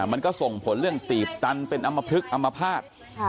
มันก็ส่งผลเรื่องตีบตันเป็นอำมพลึกอำมภาษณ์